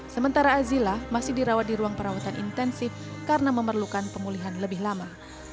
sementara azila masih dirawat di ruang perawatan intensif karena memerlukan pemulihan lebih lama